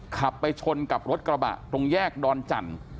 ขับไปชนกับรถกระบะตรงแยกดอนจันทร์